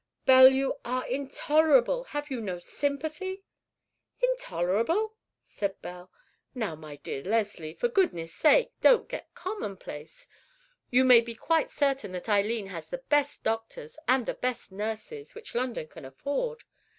"Belle, you are intolerable; you have no sympathy." "Intolerable?" said Belle. "Now, my dear Leslie, for goodness' sake, don't get commonplace. You may be quite certain that Eileen has the best doctors and the best nurses which London can afford.